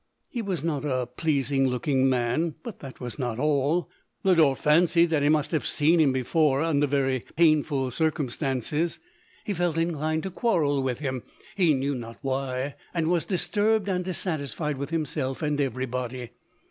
He was not a pleasing looking man, but that was not all. Lodore fancied that he must have seen him before under very painful circumstances. He LODORK. 253 felt inclined to quarrel with him — he knew not why; and was disturbed and dissatisfied with himself and every body.